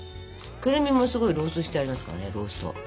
クルミもすごいローストしてありますからねロースト。